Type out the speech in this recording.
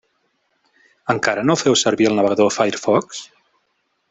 Encara no feu servir el navegador Firefox?